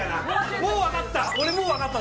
もう分かった！